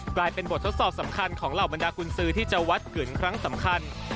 กลายเป็นบททดสอบสำคัญของเหล่าบรรดากุญซื้อที่จะวัดขืนครั้งสำคัญ